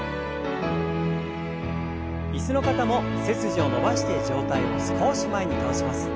椅子の方も背筋を伸ばして上体を少し前に倒します。